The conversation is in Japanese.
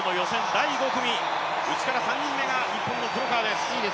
第５組、内から３人目が日本の黒川です。